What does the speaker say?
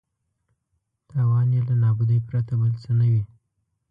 تاوان یې له نابودۍ پرته بل څه نه وي.